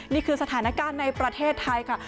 นี่คือสถานการณ์ในประเทศไทยค่ะ